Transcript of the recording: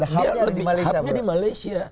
hubnya di malaysia